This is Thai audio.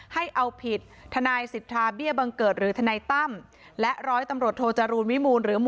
ให้เอาผิดทนายสิทธาเบี้ยบังเกิดหรือทนายตั้ม